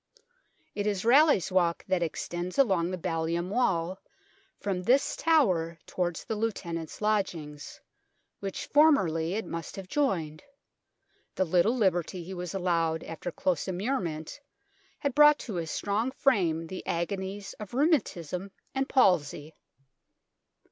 It is Raleigh's Walk that extends along the ballium wall from this tower towards the Lieutenant's Lodgings, which formerly it must have joined the little liberty he was allowed after close immurement had brought to his strong frame the agonies of rheumatism and palsy.